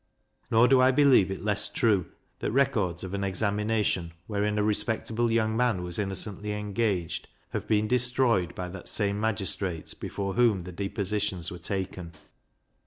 Nor do I believe it less true, that records of an examination, wherein a respectable young man was innocently engaged, have been destroyed by that same magistrate before whom the depositions were taken.